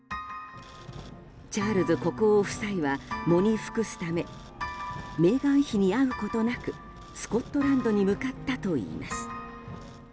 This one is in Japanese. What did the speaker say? チャールズ国王夫妻は喪に服すためメーガン妃に会うことなくスコットランドに向かったといいます。